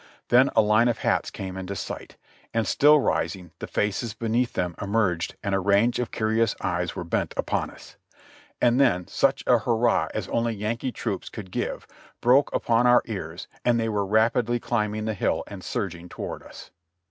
Then a line of hats came into sight, and still rising the faces beneath them emerged and a range of curious eyes were bent upon us : and then such a luirrah as only Yankee troops could give broke upon our ears and they were rapidly climbing the hill and surging toward us.